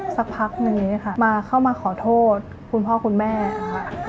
สักพักนึงค่ะมาเข้ามาขอโทษคุณพ่อคุณแม่ค่ะ